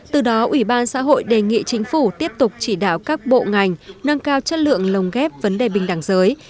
từ đó ủy ban xã hội đề nghị chính phủ tiếp tục chỉ đạo các bộ ngành nâng cao chất lượng lồng ghép vấn đề bình đẳng giới